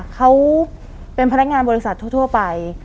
เขาเป็นพนักงานบริษัททั่วไป